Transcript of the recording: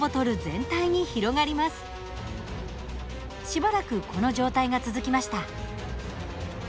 しばらくこの状態が続きました。